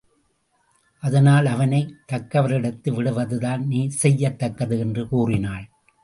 அதனால் அவனைத் தக்கவரிடத்து விடுவதுதான் நீ செய்யத்தக்கது என்று கூறினாள்.